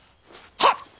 はっ！